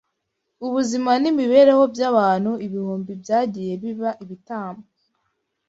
ubuzima n’imibereho by’abantu ibihumbi byagiye biba ibitambo